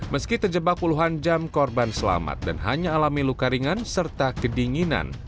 meski terjebak puluhan jam korban selamat dan hanya alami luka ringan serta kedinginan